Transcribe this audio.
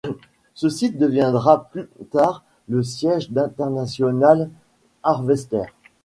Ce site deviendra plus tard le siège d'International Harvester.